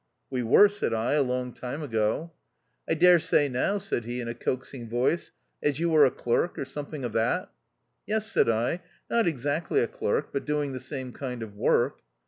"We were," said I, "a long time THE OUTCAST. 197 ago." "I dare say now," said lie in a coax ing voice, "as you were a clerk, or some thing of that?" "Yes;" said I, "not exactly a clerk, but doing the same kind of work."